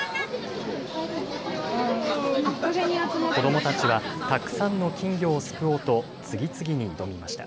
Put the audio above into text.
子どもたちはたくさんの金魚をすくおうと次々に挑みました。